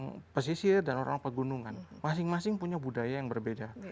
jadi orang orang pesisir dan orang orang pegunungan masing masing punya budaya yang berbeda